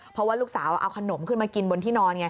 เพราะว่าลูกสาวเอาขนมขึ้นมากินบนที่นอนไง